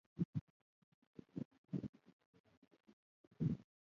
دریشي انسان ته ځیرکتیا ښکاره کوي.